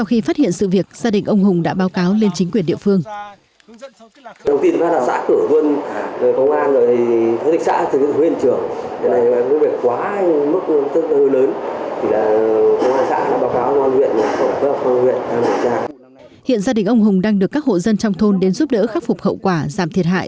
hiện gia đình ông hùng đang được các hộ dân trong thôn đến giúp đỡ khắc phục khẩu quả giảm thiệt hại